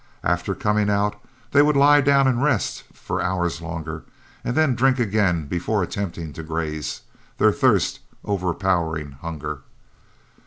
After coming out, they would lie down and rest for hours longer, and then drink again before attempting to graze, their thirst overpowering hunger.